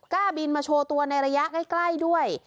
กล้าบินมาโชว์ตัวในระยะใกล้ด้วย